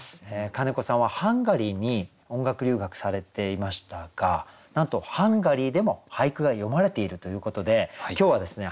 金子さんはハンガリーに音楽留学されていましたがなんとハンガリーでも俳句が詠まれているということで今日はですね